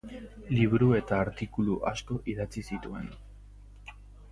Liburu eta artikulu asko idatzi zituen.